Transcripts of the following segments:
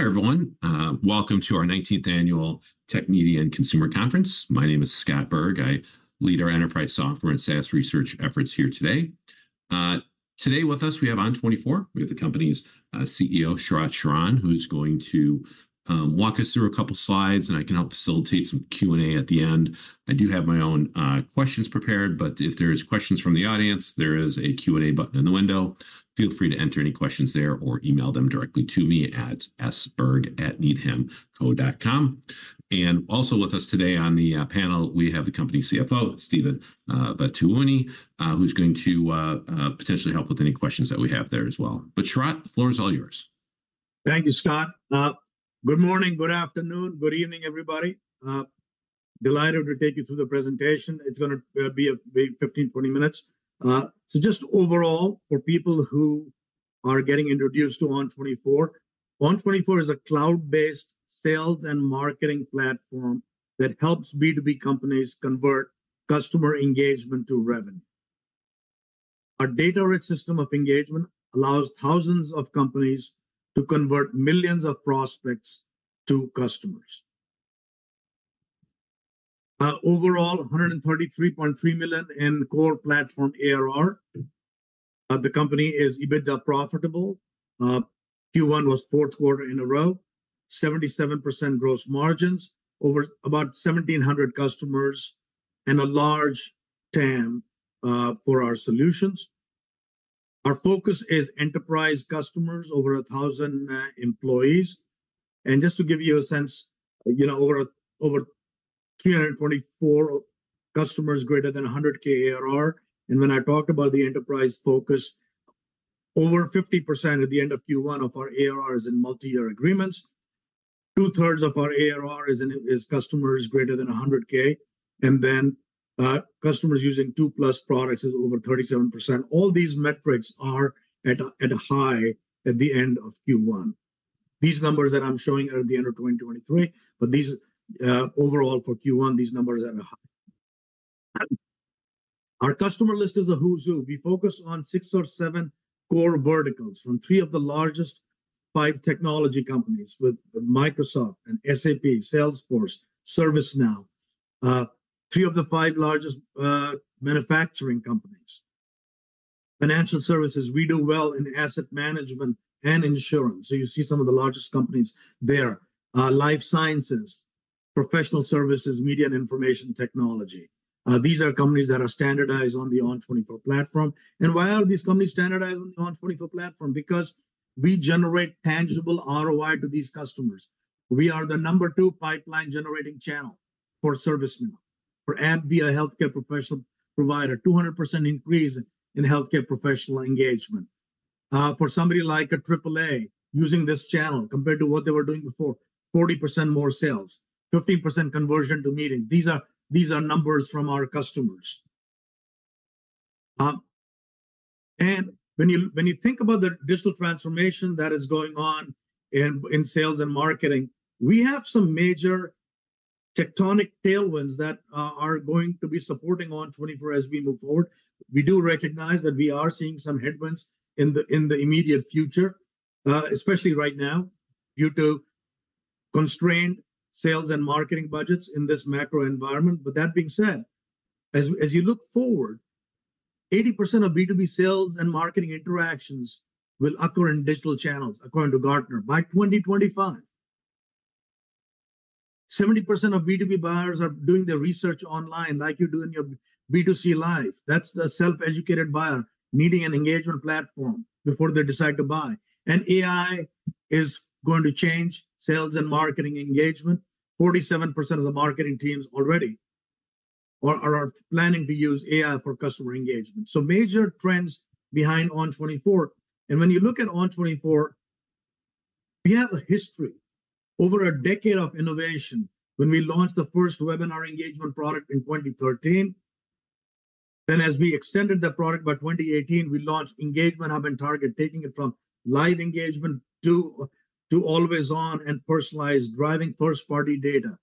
Hi, everyone. Welcome to our nineteenth Annual Tech Media and Consumer Conference. My name is Scott Berg. I lead our enterprise software and SaaS research efforts here today. Today with us, we have ON24. We have the company's CEO, Sharat Sharan, who's going to walk us through a couple slides, and I can help facilitate some Q&A at the end. I do have my own questions prepared, but if there's questions from the audience, there is a Q&A button in the window. Feel free to enter any questions there or email them directly to me at sberg@needhamco.com. Also with us today on the panel, we have the company CFO, Steven Vattuone, who's going to potentially help with any questions that we have there as well. Sharad, the floor is all yours. Thank you, Scott. Good morning, good afternoon, good evening, everybody. Delighted to take you through the presentation. It's gonna be maybe 15-20 minutes. So just overall, for people who are getting introduced to ON24, ON24 is a cloud-based sales and marketing platform that helps B2B companies convert customer engagement to revenue. Our data-rich system of engagement allows thousands of companies to convert millions of prospects to customers. Overall, $133.3 million in core platform ARR. The company is EBITDA profitable. Q1 was fourth quarter in a row, 77% gross margins, over about 1,700 customers, and a large TAM for our solutions. Our focus is enterprise customers, over 1,000 employees. And just to give you a sense, you know, over 324 customers, greater than 100K ARR. And when I talk about the enterprise focus, over 50% at the end of Q1 of our ARR is in multi-year agreements. Two-thirds of our ARR is in customers greater than 100K, and then customers using 2+ products is over 37%. All these metrics are at a high at the end of Q1. These numbers that I'm showing are at the end of 2023, but these overall for Q1, these numbers are at a high. Our customer list is a who's who. We focus on 6 or 7 core verticals, from 3 of the largest 5 technology companies, with Microsoft and SAP, Salesforce, ServiceNow. Three of the 5 largest manufacturing companies. Financial services, we do well in asset management and insurance, so you see some of the largest companies there. Life sciences, professional services, media and information technology. These are companies that are standardized on the ON24 platform. And why are these companies standardized on the ON24 platform? Because we generate tangible ROI to these customers. We are the number two pipeline-generating channel for ServiceNow. For AbbVie, a healthcare professional provider, 200% increase in healthcare professional engagement. For somebody like a AAA, using this channel, compared to what they were doing before, 40% more sales, 15% conversion to meetings. These are, these are numbers from our customers. And when you think about the digital transformation that is going on in sales and marketing, we have some major tectonic tailwinds that are going to be supporting ON24 as we move forward. We do recognize that we are seeing some headwinds in the immediate future, especially right now, due to constrained sales and marketing budgets in this macro environment. But that being said, as you look forward, 80% of B2B sales and marketing interactions will occur in digital channels, according to Gartner, by 2025. 70% of B2B buyers are doing their research online, like you do in your B2C life. That's the self-educated buyer, needing an engagement platform before they decide to buy. And AI is going to change sales and marketing engagement. 47% of the marketing teams already are planning to use AI for customer engagement. So major trends behind ON24. And when you look at ON24, we have a history, over a decade of innovation, when we launched the first webinar engagement product in 2013. Then, as we extended the product by 2018, we launched Engagement Hub and Target, taking it from live engagement to always on and personalized, driving first-party data.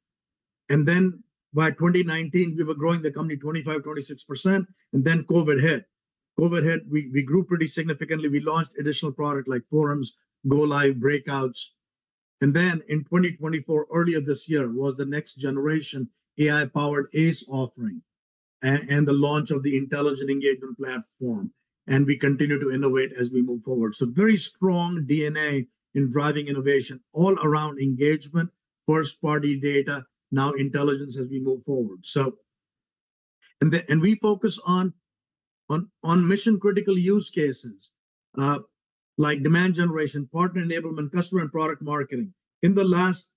And then by 2019, we were growing the company 25%-26%, and then COVID hit. COVID hit, we grew pretty significantly. We launched additional product like Forums, Go Live breakouts. And then in 2024, earlier this year, was the next generation AI-powered ACE offering and the launch of the Intelligent Engagement Platform, and we continue to innovate as we move forward. So very strong DNA in driving innovation all around engagement, first-party data, now intelligence as we move forward. So... And we Focus on mission-critical use cases, like demand generation, partner enablement, customer and product marketing. In the last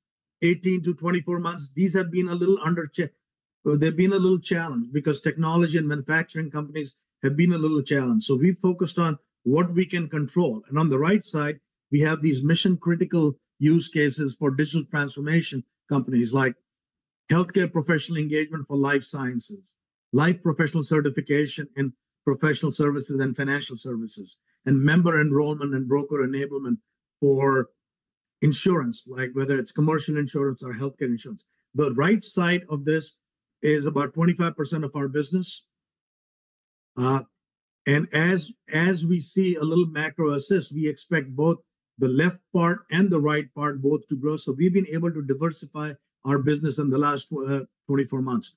18-24 months, these have been a little challenged because technology and manufacturing companies have been a little challenged, so we focused on what we can control. On the right side, we have these mission-critical use cases for digital transformation companies like healthcare professional engagement for life sciences, life professional certification in professional services and financial services, and member enrollment and broker enablement for insurance, like whether it's commercial insurance or healthcare insurance. The right side of this is about 25% of our business, and as we see a little macro assist, we expect both the left part and the right part both to grow. So we've been able to diversify our business in the last 24 months.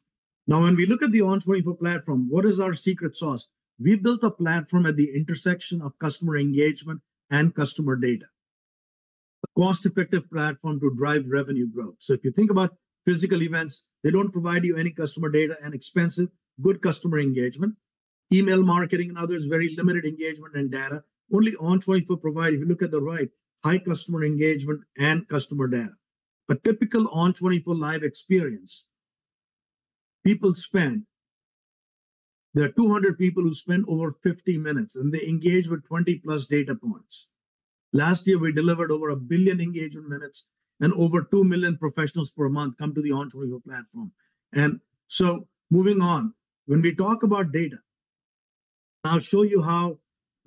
Now, when we look at the ON24 platform, what is our secret sauce? We built a platform at the intersection of customer engagement and customer data. A cost-effective platform to drive revenue growth. So if you think about physical events, they don't provide you any customer data and expensive, good customer engagement, email marketing and others, very limited engagement and data. Only ON24 provide, if you look at the right, high customer engagement and customer data. A typical ON24 live experience, people spend, there are 200 people who spend over 50 minutes, and they engage with 20+ data points. Last year, we delivered over 1 billion engagement minutes, and over 2 million professionals per month come to the ON24 platform. And so moving on, when we talk about data, I'll show you how,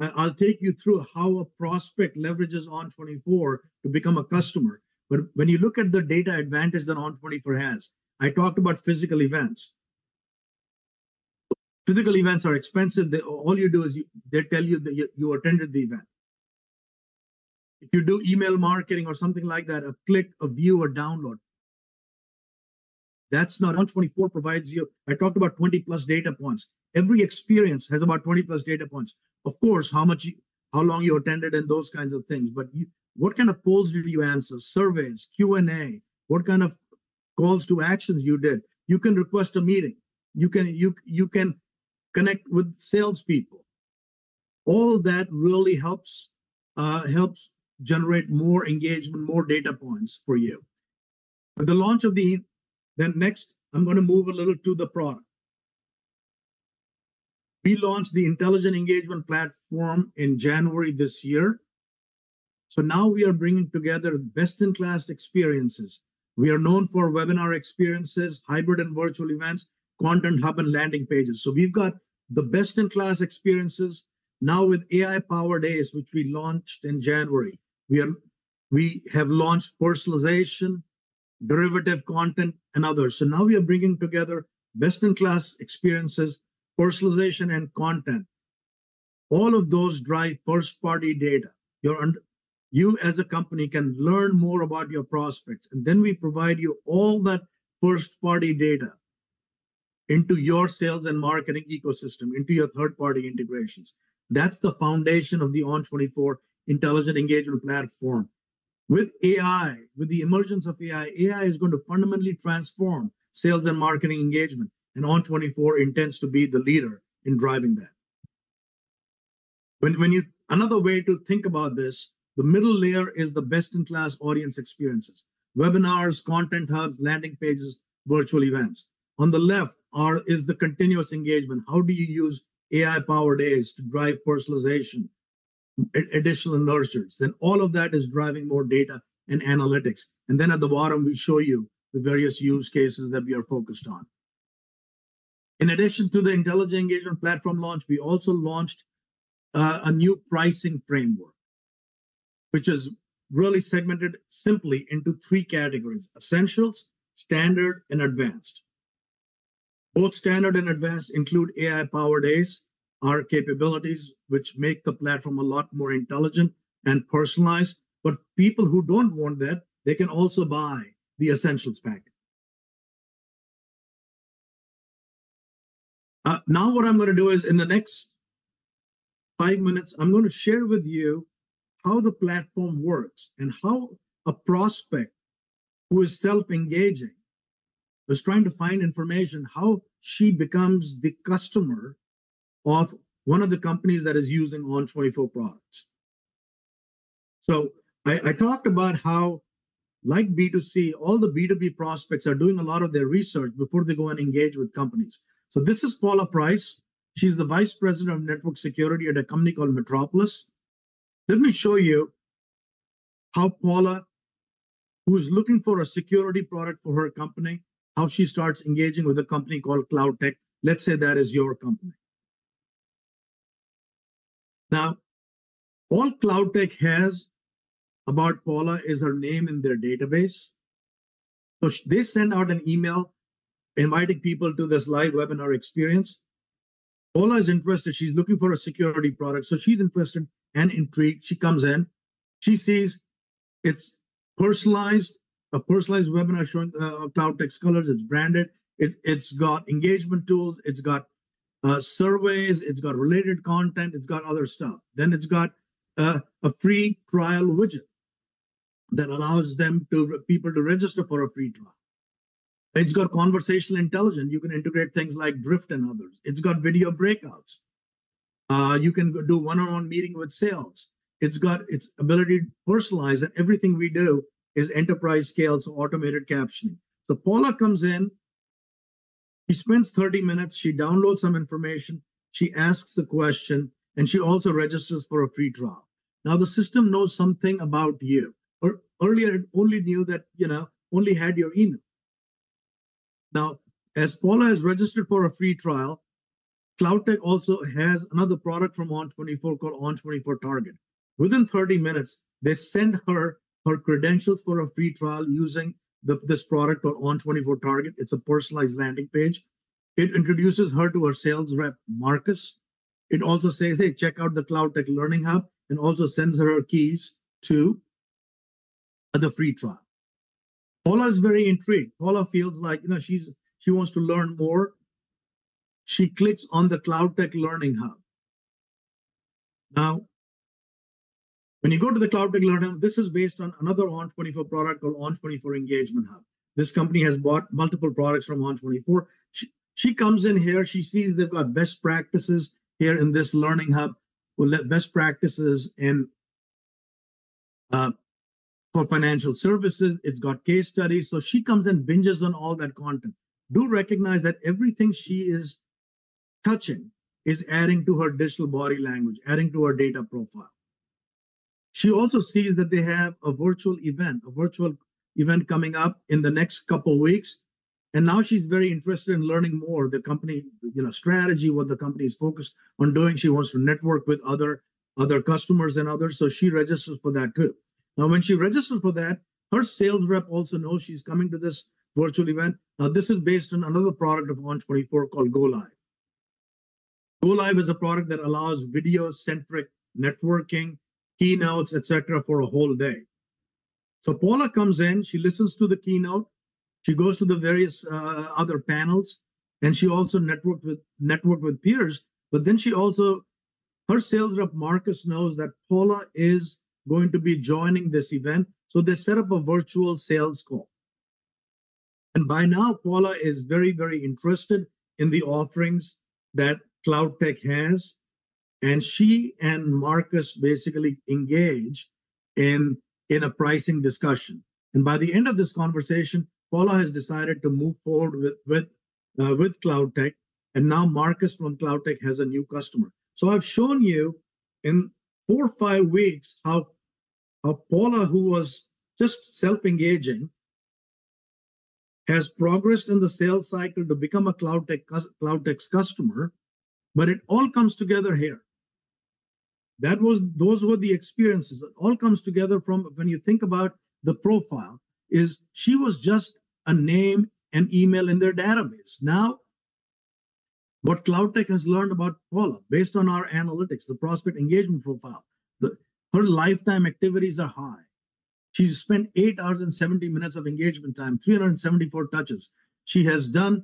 I, I'll take you through how a prospect leverages ON24 to become a customer. But when you look at the data advantage that ON24 has, I talked about physical events. Physical events are expensive. All you do is they tell you that you attended the event. If you do email marketing or something like that, a click, a view, or download, that's not... ON24 provides you. I talked about 20-plus data points. Every experience has about 20-plus data points. Of course, how long you attended and those kinds of things. But what kind of polls did you answer, surveys, Q&A? What kind of calls to actions you did? You can request a meeting. You can connect with salespeople. All that really helps generate more engagement, more data points for you. With the launch of the... Then next, I'm gonna move a little to the product. We launched the Intelligent Engagement Platform in January this year. So now we are bringing together best-in-class experiences. We are known for webinar experiences, hybrid and virtual events, content hub, and landing pages. So we've got the best-in-class experiences now with AI-powered ACE, which we launched in January. We have launched personalization, derivative content, and others. So now we are bringing together best-in-class experiences, personalization, and content. All of those drive first-party data. You, as a company, can learn more about your prospects, and then we provide you all that first-party data into your sales and marketing ecosystem, into your third-party integrations. That's the foundation of the ON24 Intelligent Engagement Platform. With AI, with the emergence of AI, AI is going to fundamentally transform sales and marketing engagement, and ON24 intends to be the leader in driving that. Another way to think about this, the middle layer is the best-in-class audience experiences: webinars, content hubs, landing pages, virtual events. On the left is the continuous engagement. How do you use AI-powered ACE to drive personalization, additional nurtures? Then all of that is driving more data and analytics. And then at the bottom, we show you the various use cases that we are focused on. In addition to the Intelligent Engagement Platform launch, we also launched a new pricing framework, which is really segmented simply into three categories: Essentials, Standard, and Advanced. Both Standard and Advanced include AI-powered ACE, our capabilities, which make the platform a lot more intelligent and personalized. But people who don't want that, they can also buy the Essentials pack. Now, what I'm gonna do is in the next five minutes, I'm gonna share with you how the platform works and how a prospect who is self-engaging, who's trying to find information, how she becomes the customer of one of the companies that is using ON24 products. So I talked about how, like B2C, all the B2B prospects are doing a lot of their research before they go and engage with companies. So this is Paula Price. She's the Vice President of network security at a company called Metropolis. Let me show you how Paula, who is looking for a security product for her company, how she starts engaging with a company called CloudTech. Let's say that is your company. Now, all CloudTech has about Paula is her name in their database. So they send out an email inviting people to this live webinar experience. Paula is interested. She's looking for a security product, so she's interested and intrigued. She comes in, she sees it's personalized, a personalized webinar showing CloudTech's colors. It's branded, it's got engagement tools, it's got surveys, it's got related content, it's got other stuff. Then it's got a free trial widget that allows them to... people to register for a free trial. It's got conversational intelligence. You can integrate things like Drift and others. It's got video breakouts. You can do one-on-one meeting with sales. It's got its ability to personalize, and everything we do is enterprise-scale, so automated captioning. So Paula comes in, she spends 30 minutes, she downloads some information, she asks a question, and she also registers for a free trial. Now, the system knows something about you. Earlier, it only knew that, you know, only had your email. Now, as Paula has registered for a free trial, CloudTech also has another product from ON24 called ON24 Target. Within 30 minutes, they send her her credentials for a free trial using the this product or ON24 Target. It's a personalized landing page. It introduces her to her sales rep, Marcus. It also says, "Hey, check out the CloudTech Learning Hub," and also sends her her keys to the free trial. Paula is very intrigued. Paula feels like, you know, she's, she wants to learn more. She clicks on the CloudTech Learning Hub. Now, when you go to the CloudTech Learning Hub, this is based on another ON24 product called ON24 Engagement Hub. This company has bought multiple products from ON24. She comes in here, she sees they've got best practices here in this learning hub, well, the best practices in, for financial services, it's got case studies. So she comes in, binges on all that content. Do recognize that everything she is touching is adding to her digital body language, adding to her data profile. She also sees that they have a virtual event, a virtual event coming up in the next couple of weeks, and now she's very interested in learning more, the company, you know, strategy, what the company is focused on doing. She wants to network with other, other customers and others, so she registers for that, too. Now, when she registers for that, her sales rep also knows she's coming to this virtual event. Now, this is based on another product of ON24 called Go Live. Go Live is a product that allows video-centric networking, keynotes, et cetera, for a whole day. So Paula comes in, she listens to the keynote, she goes to the various, other panels, and she also networked with, networked with peers. But then she also, her sales rep, Marcus, knows that Paula is going to be joining this event, so they set up a virtual sales call. And by now, Paula is very, very interested in the offerings that CloudTech has, and she and Marcus basically engage in, in a pricing discussion. And by the end of this conversation, Paula has decided to move forward with, with, with CloudTech, and now Marcus from CloudTech has a new customer. So I've shown you in 4-5 weeks, how, how Paula, who was just self-engaging, has progressed in the sales cycle to become a CloudTech cus-- CloudTech's customer, but it all comes together here. That was, those were the experiences. It all comes together from when you think about the profile, she was just a name and email in their database. Now, what CloudTech has learned about Paula, based on our analytics, the prospect engagement profile, her lifetime activities are high. She's spent 8 hours and 70 minutes of engagement time, 374 touches. She has done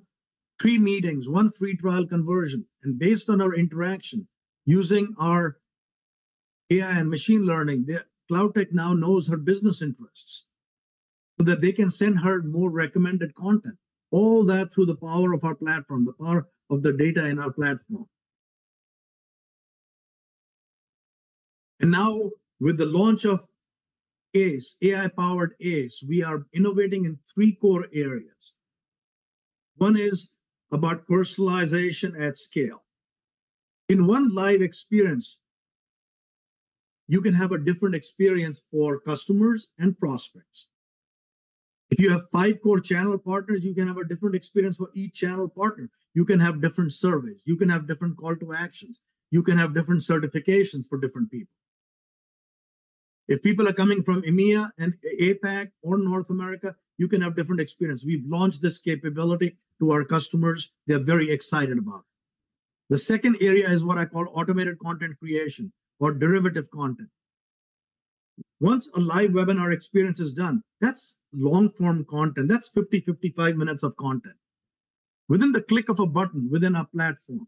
3 meetings, 1 free trial conversion, and based on her interaction, using our AI and machine learning, CloudTech now knows her business interests, so that they can send her more recommended content. All that through the power of our platform, the power of the data in our platform. And now, with the launch of ACE, AI-powered ACE, we are innovating in 3 core areas. One is about personalization at scale. In 1 live experience, you can have a different experience for customers and prospects. If you have 5 core channel partners, you can have a different experience for each channel partner. You can have different surveys, you can have different calls to action, you can have different certifications for different people. If people are coming from EMEA and APAC or North America, you can have different experience. We've launched this capability to our customers. They're very excited about it. The second area is what I call automated content creation or derivative content. Once a live webinar experience is done, that's long-form content. That's 50-55 minutes of content. Within the click of a button, within our platform,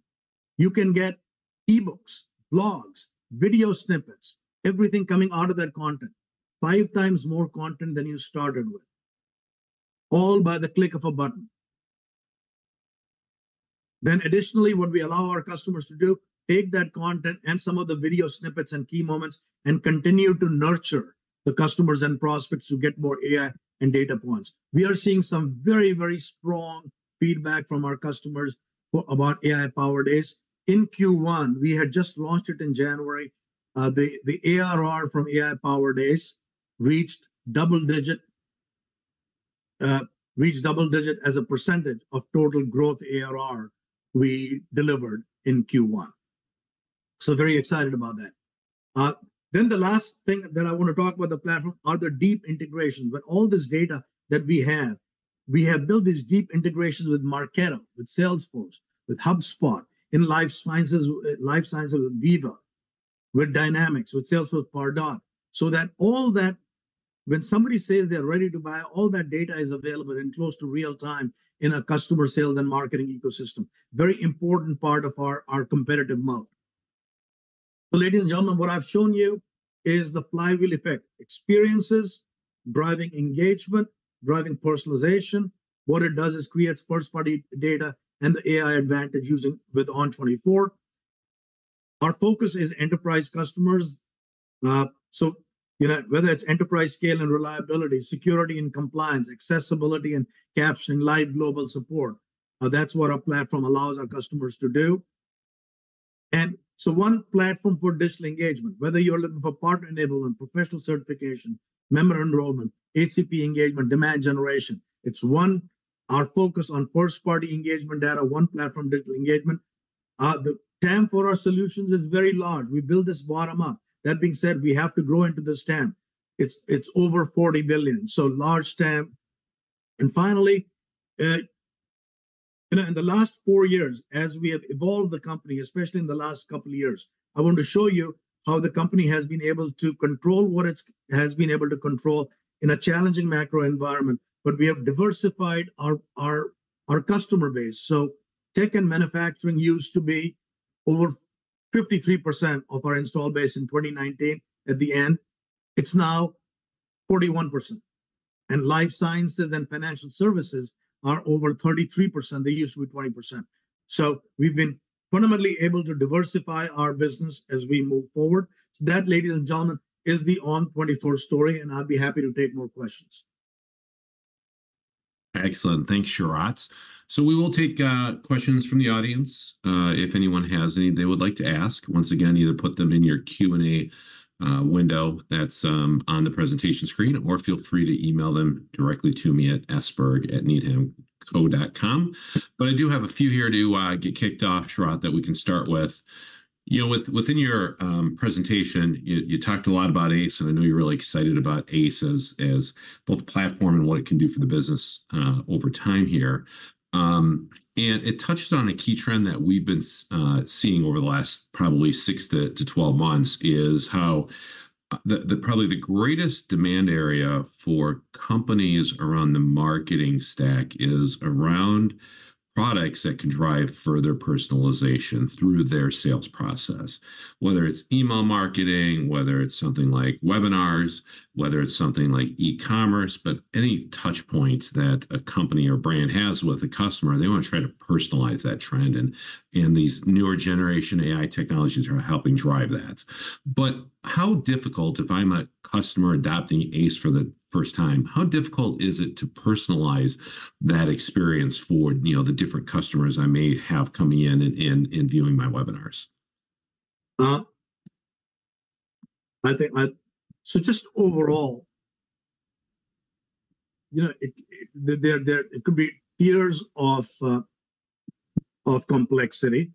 you can get e-books, blogs, video snippets, everything coming out of that content. 5 times more content than you started with, all by the click of a button. Then additionally, what we allow our customers to do, take that content and some of the video snippets and key moments and continue to nurture the customers and prospects who get more AI and data points. We are seeing some very, very strong feedback from our customers about AI-powered ACE. In Q1, we had just launched it in January, the ARR from AI-powered ACE reached double digit as a percentage of total growth ARR we delivered in Q1. So very excited about that. Then the last thing that I want to talk about the platform are the deep integrations. With all this data that we have, we have built these deep integrations with Marketo, with Salesforce, with HubSpot, in life sciences, life sciences with Veeva, with Dynamics, with Salesforce Pardot, so that all that, when somebody says they're ready to buy, all that data is available in close to real time in a customer sales and marketing ecosystem. Very important part of our, our competitive moat. So ladies and gentlemen, what I've shown you is the flywheel effect, experiences driving engagement, driving personalization. What it does is creates first-party data and the AI advantage using with ON24. Our focus is enterprise customers. So, you know, whether it's enterprise scale and reliability, security and compliance, accessibility and captioning, live global support, that's what our platform allows our customers to do. So one platform for digital engagement, whether you're looking for partner enablement, professional certification, member enrollment, HCP engagement, demand generation, it's one platform. Our focus on first-party engagement data, one platform digital engagement. The TAM for our solutions is very large. We build this bottom up. That being said, we have to grow into this TAM. It's over $40 billion, so large TAM. And finally, in the last 4 years, as we have evolved the company, especially in the last couple of years, I want to show you how the company has been able to control what it has been able to control in a challenging macro environment. But we have diversified our customer base. So tech and manufacturing used to be over 53% of our install base in 2019 at the end. It's now 41%, and life sciences and financial services are over 33%. They used to be 20%. So we've been fundamentally able to diversify our business as we move forward. So that, ladies and gentlemen, is the ON24 story, and I'd be happy to take more questions. Excellent. Thanks, Sharad. So we will take questions from the audience, if anyone has any they would like to ask. Once again, either put them in your Q&A window that's on the presentation screen, or feel free to email them directly to me at sberg@needhamco.com. But I do have a few here to get kicked off, Sharad, that we can start with. You know, within your presentation, you talked a lot about ACE, and I know you're really excited about ACE as both a platform and what it can do for the business, over time here. And it touches on a key trend that we've been seeing over the last probably 6-12 months, is how the probably the greatest demand area for companies around the marketing stack is around products that can drive further personalization through their sales process. Whether it's email marketing, whether it's something like webinars, whether it's something like e-commerce, but any touch points that a company or brand has with a customer, they want to try to personalize that trend, and these newer generation AI technologies are helping drive that. But how difficult... If I'm a customer adopting ACE for the first time, how difficult is it to personalize that experience for, you know, the different customers I may have coming in and viewing my webinars? I think... So just overall, you know, it, there, there, it could be years of, of complexity.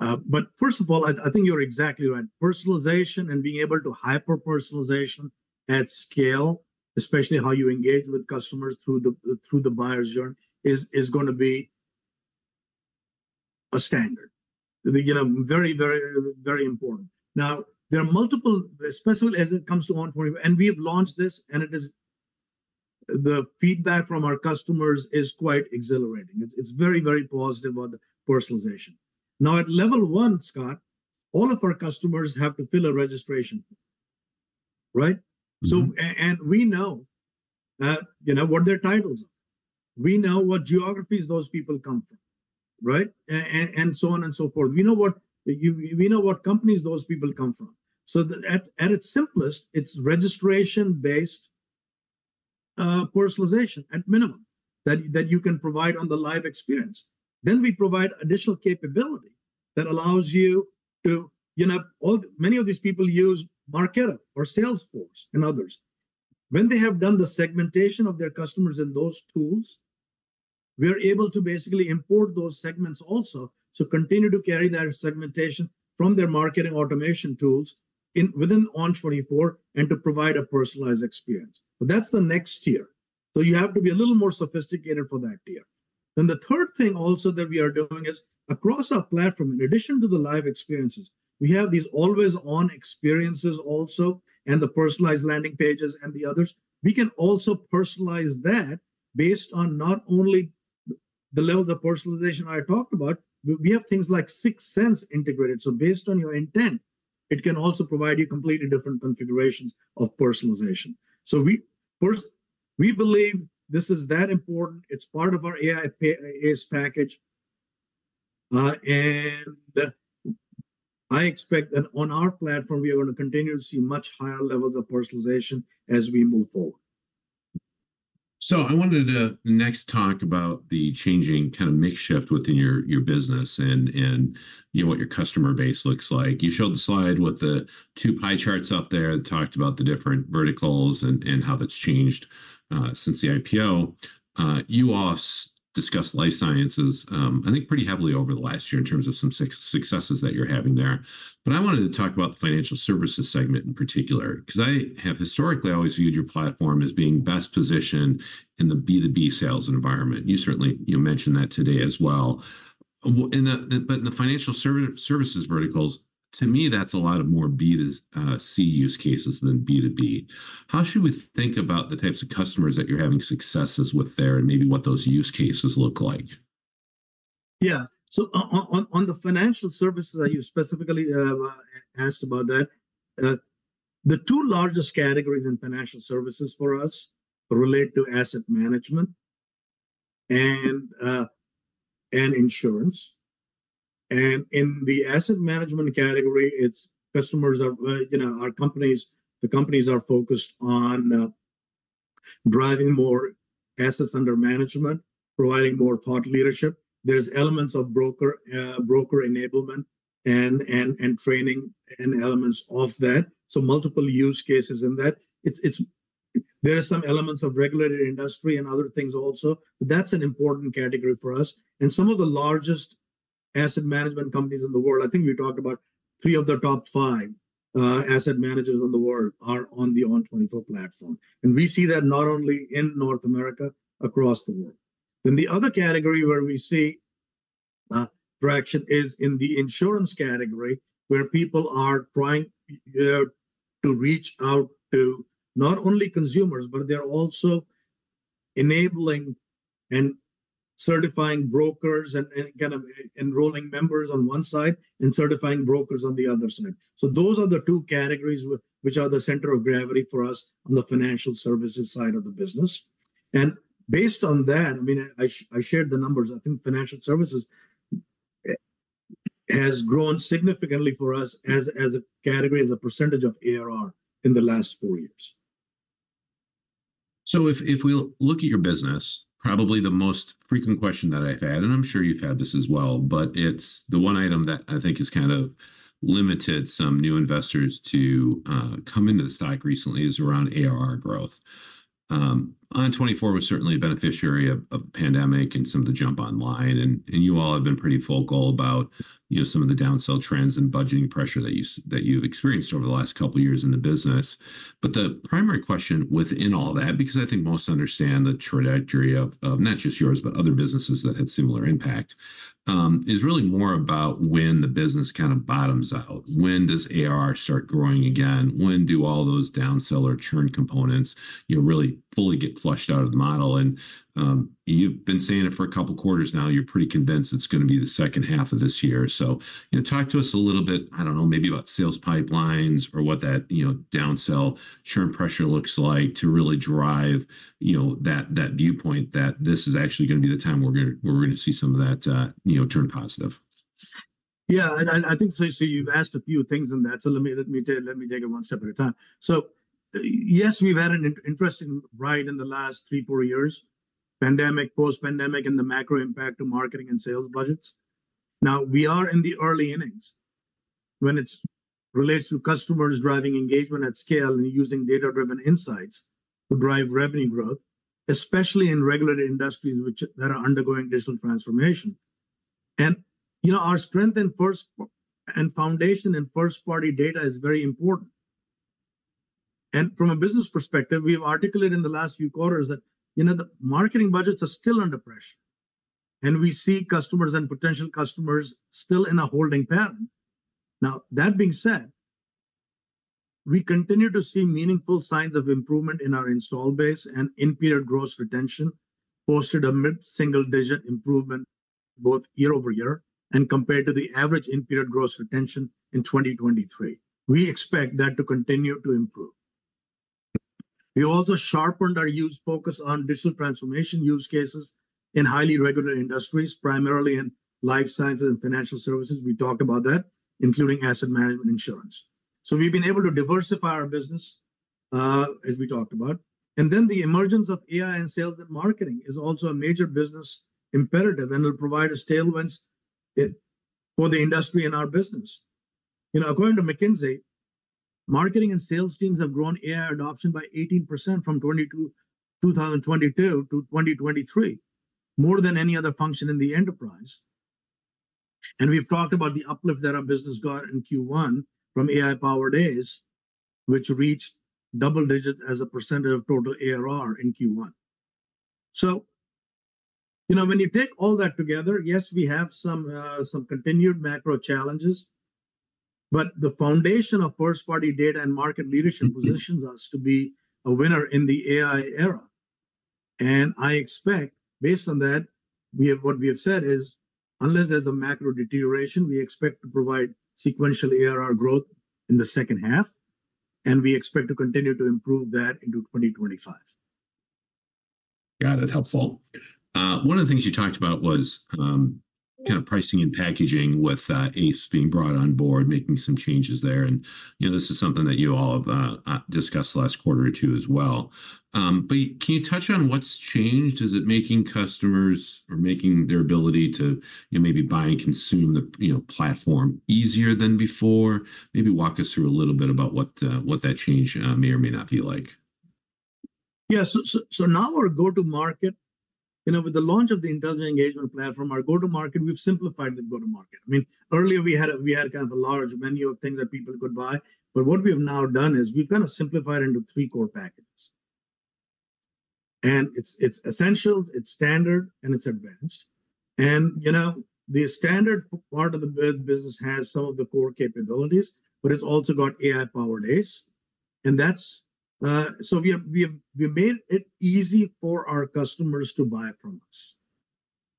But first of all, I think you're exactly right. Personalization and being able to hyper-personalization at scale, especially how you engage with customers through the, through the buyer's journey, is, is gonna be a standard. You know, very, very, very important. Now, there are multiple, especially as it comes to ON24, and we have launched this, and it is... The feedback from our customers is quite exhilarating. It's, it's very, very positive about the personalization. Now, at level one, Scott, all of our customers have to fill a registration form, right? So and we know, you know, what their titles are. We know what geographies those people come from, right? And so on and so forth. We know what companies those people come from. So at its simplest, it's registration-based personalization at minimum that you can provide on the live experience. Then we provide additional capability that allows you to, you know... Many of these people use Marketo or Salesforce and others. When they have done the segmentation of their customers in those tools, we are able to basically import those segments also to continue to carry their segmentation from their marketing automation tools within ON24 and to provide a personalized experience. But that's the next tier, so you have to be a little more sophisticated for that tier. Then the third thing also that we are doing is, across our platform, in addition to the live experiences, we have these always-on experiences also, and the personalized landing pages and the others. We can also personalize that based on not only the levels of personalization I talked about, but we have things like 6sense integrated. So based on your intent, it can also provide you completely different configurations of personalization. So we believe this is that important; it's part of our AI-powered ACE package, and I expect that on our platform, we are going to continue to see much higher levels of personalization as we move forward. So I wanted to next talk about the changing kind of makeup within your business and, you know, what your customer base looks like. You showed the slide with the two pie charts up there, that talked about the different verticals and how that's changed since the IPO. You also discussed life sciences, I think pretty heavily over the last year in terms of some successes that you're having there. But I wanted to talk about the financial services segment in particular, because I have historically always viewed your platform as being best positioned in the B2B sales environment. You certainly, you know, mentioned that today as well. But in the financial services verticals, to me, that's a lot more B2C use cases than B2B. How should we think about the types of customers that you're having successes with there, and maybe what those use cases look like? Yeah. So on the financial services that you specifically asked about that, the two largest categories in financial services for us relate to asset management and insurance. And in the asset management category, it's customers are, well, you know, are companies. The companies are focused on driving more assets under management, providing more thought leadership. There's elements of broker enablement and training and elements of that, so multiple use cases in that. There are some elements of regulated industry and other things also. That's an important category for us, and some of the largest asset management companies in the world. I think we talked about three of the top five asset managers in the world are on the ON24 platform, and we see that not only in North America, across the world. Then the other category where we see traction is in the insurance category, where people are trying to reach out to not only consumers, but they're also enabling and certifying brokers and kind of enrolling members on one side and certifying brokers on the other side. So those are the two categories which are the center of gravity for us on the financial services side of the business. And based on that, I mean, I shared the numbers. I think financial services has grown significantly for us as a category, as a percentage of ARR in the last four years. So if we look at your business, probably the most frequent question that I've had, and I'm sure you've had this as well, but it's the one item that I think has kind of limited some new investors to come into the stock recently, is around ARR growth. ON24 was certainly a beneficiary of pandemic and some of the jump online, and you all have been pretty vocal about, you know, some of the downsell trends and budgeting pressure that you've experienced over the last couple of years in the business. But the primary question within all that, because I think most understand the trajectory of not just yours, but other businesses that had similar impact, is really more about when the business kind of bottoms out. When does ARR start growing again? When do all those downsell or churn components, you know, really, fully get flushed out of the model? And you've been saying it for a couple of quarters now, you're pretty convinced it's gonna be the second half of this year. So, you know, talk to us a little bit, I don't know, maybe about sales pipelines or what that, you know, downsell, churn pressure looks like to really drive, you know, that, that viewpoint that this is actually gonna be the time where we're, where we're gonna see some of that, you know, turn positive. Yeah, and I think so, so you've asked a few things in that, so let me take it one step at a time. So yes, we've had an interesting ride in the last 3-4 years, pandemic, post-pandemic, and the macro impact to marketing and sales budgets. Now, we are in the early innings when it relates to customers driving engagement at scale and using data-driven insights to drive revenue growth, especially in regulated industries that are undergoing digital transformation. And, you know, our strength and foundation in first-party data is very important. And from a business perspective, we've articulated in the last few quarters that, you know, the marketing budgets are still under pressure, and we see customers and potential customers still in a holding pattern. Now, that being said, we continue to see meaningful signs of improvement in our install base, and in-period gross retention posted a mid-single-digit improvement both year-over-year and compared to the average in-period gross retention in 2023. We expect that to continue to improve. We also sharpened our use focus on digital transformation use cases in highly regulated industries, primarily in life sciences and financial services. We talked about that, including asset management insurance. So we've been able to diversify our business, as we talked about. And then the emergence of AI in sales and marketing is also a major business imperative and will provide a tailwinds, for the industry and our business. You know, according to McKinsey, marketing and sales teams have grown AI adoption by 18% from 2022 to 2023, more than any other function in the enterprise. And we've talked about the uplift that our business got in Q1 from AI-powered days, which reached double digits as a percentage of total ARR in Q1. So, you know, when you take all that together, yes, we have some some continued macro challenges, but the foundation of first-party data and market leadership positions us to be a winner in the AI era. And I expect, based on that, what we have said is, unless there's a macro deterioration, we expect to provide sequential ARR growth in the second half, and we expect to continue to improve that into 2025. Got it. Helpful. One of the things you talked about was kind of pricing and packaging with ACE being brought on board, making some changes there, and, you know, this is something that you all have discussed the last quarter or two as well. But can you touch on what's changed? Is it making customers or making their ability to, you know, maybe buy and consume the, you know, platform easier than before? Maybe walk us through a little bit about what that change may or may not be like. Yeah. So now our go-to-market... You know, with the launch of the Intelligent Engagement Platform, our go-to-market, we've simplified the go-to-market. I mean, earlier we had kind of a large menu of things that people could buy, but what we have now done is, we've kind of simplified into three core packages. And it's essentials, it's standard, and it's advanced. And, you know, the standard part of the business has some of the core capabilities, but it's also got AI-powered ACE, and that's... So we have made it easy for our customers to buy from us,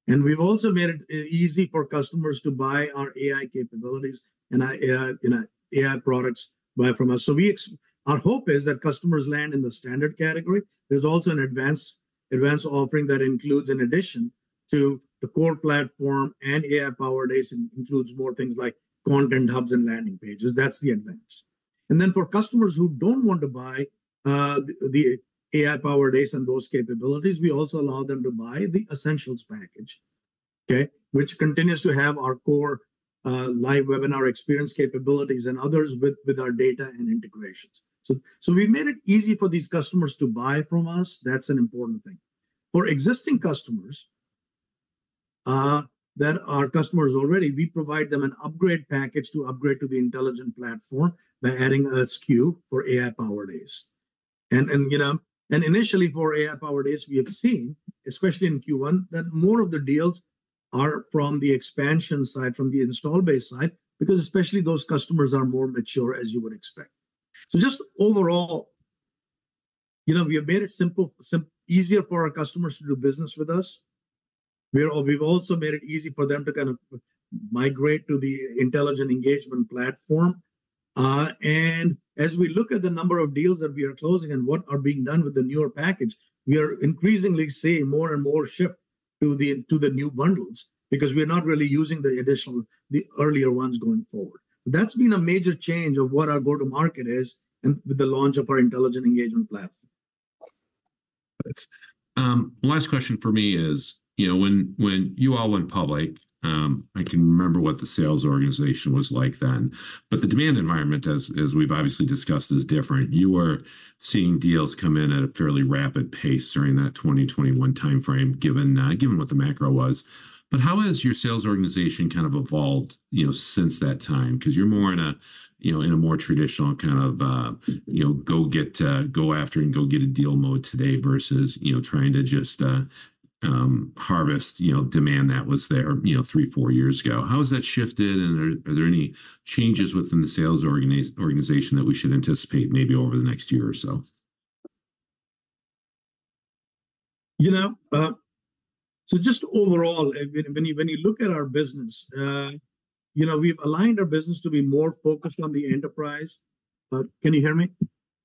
and we've also made it easy for customers to buy our AI capabilities and AI products from us. So our hope is that customers land in the standard category. There's also an advanced offering that includes, in addition to the core platform and AI-powered ACE, includes more things like content hubs and landing pages. That's the advantage. And then for customers who don't want to buy the AI-powered ACE and those capabilities, we also allow them to buy the essentials package, okay? Which continues to have our core live webinar experience capabilities and others with our data and integrations. So we've made it easy for these customers to buy from us. That's an important thing. For existing customers that are customers already, we provide them an upgrade package to upgrade to the intelligent platform by adding a SKU for AI-powered ACE. You know, initially for AI-powered ACE, we have seen, especially in Q1, that more of the deals are from the expansion side, from the install base side, because especially those customers are more mature, as you would expect. So just overall, you know, we have made it simple, easier for our customers to do business with us. We've also made it easy for them to kind of migrate to the Intelligent Engagement Platform. And as we look at the number of deals that we are closing and what are being done with the newer package, we are increasingly seeing more and more shift to the new bundles, because we're not really using the additional, the earlier ones going forward. That's been a major change of what our go-to-market is, and with the launch of our Intelligent Engagement Platform. Last question for me is, you know, when you all went public, I can remember what the sales organization was like then. But the demand environment, as we've obviously discussed, is different. You were seeing deals come in at a fairly rapid pace during that 2021 timeframe, given what the macro was. But how has your sales organization kind of evolved, you know, since that time? 'Cause you're more in a, you know, in a more traditional kind of, you know, go get, go after and go get a deal mode today versus, you know, trying to just harvest, you know, demand that was there, you know, three, four years ago. How has that shifted, and are there any changes within the sales organization that we should anticipate maybe over the next year or so? You know, so just overall, when you look at our business, you know, we've aligned our business to be more focused on the enterprise. Can you hear me?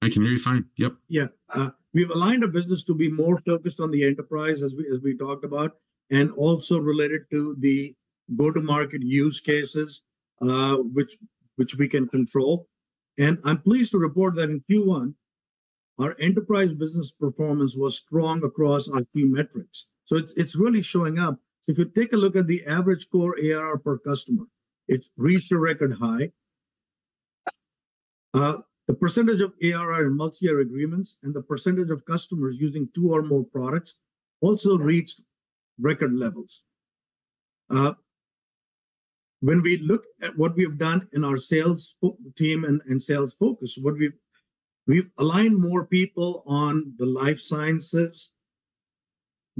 I can hear you fine. Yep. Yeah. We've aligned our business to be more focused on the enterprise, as we talked about, and also related to the go-to-market use cases, which we can control. And I'm pleased to report that in Q1, our enterprise business performance was strong across our key metrics, so it's really showing up. So if you take a look at the average core ARR per customer, it's reached a record high. The percentage of ARR in multi-year agreements and the percentage of customers using two or more products also reached record levels. When we look at what we've done in our sales force team and sales focus, we've aligned more people on the life sciences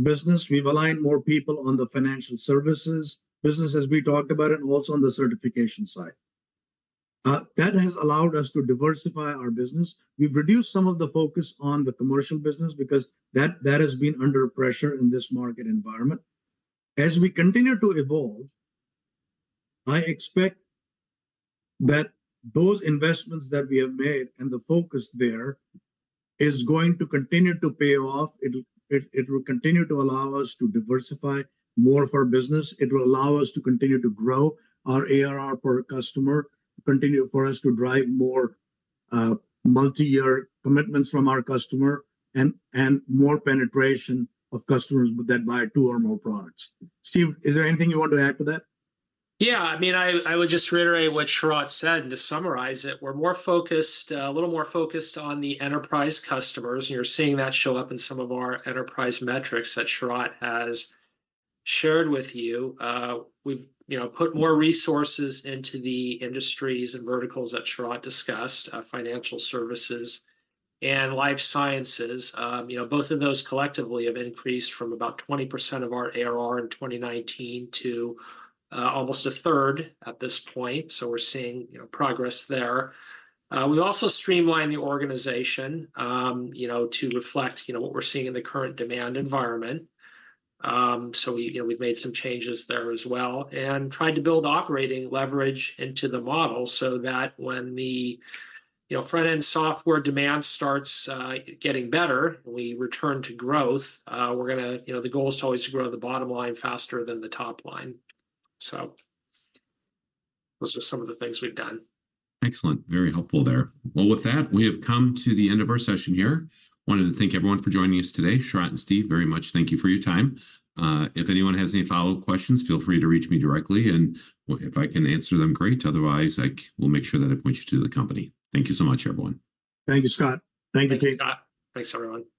business, we've aligned more people on the financial services business, as we talked about it, and also on the certification side. That has allowed us to diversify our business. We've reduced some of the focus on the commercial business because that has been under pressure in this market environment. As we continue to evolve, I expect that those investments that we have made and the focus there is going to continue to pay off. It'll, it will continue to allow us to diversify more of our business. It will allow us to continue to grow our ARR per customer, continue for us to drive more multi-year commitments from our customer and more penetration of customers that buy two or more products. Steve, is there anything you want to add to that? Yeah, I mean, I would just reiterate what Sharad said, and to summarize it, we're more focused, a little more focused on the enterprise customers, and you're seeing that show up in some of our enterprise metrics that Sharad has shared with you. We've, you know, put more resources into the industries and verticals that Sharad discussed, financial services and life sciences. You know, both of those collectively have increased from about 20% of our ARR in 2019 to, almost a third at this point. So we're seeing, you know, progress there. We also streamlined the organization, you know, to reflect, you know, what we're seeing in the current demand environment. So we, you know, we've made some changes there as well and tried to build operating leverage into the model so that when the, you know, front-end software demand starts getting better and we return to growth, we're gonna... You know, the goal is to always to grow the bottom line faster than the top line. So those are some of the things we've done. Excellent. Very helpful there. Well, with that, we have come to the end of our session here. Wanted to thank everyone for joining us today. Sharad and Steve, very much thank you for your time. If anyone has any follow-up questions, feel free to reach me directly, and if I can answer them, great. Otherwise, I will make sure that I point you to the company. Thank you so much, everyone. Thank you, Scott. Thank you, team. Thank you, Scott. Thanks, everyone.